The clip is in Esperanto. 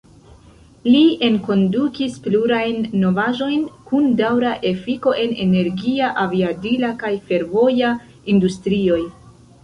Li enkondukis plurajn novaĵojn kun daŭra efiko en energia, aviadila kaj fervoja industrioj.